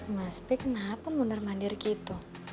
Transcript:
mas peh kenapa mundur mandir gitu